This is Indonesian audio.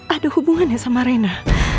ada hubungannya sama raina